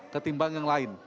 ketimbang yang lain